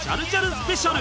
スペシャル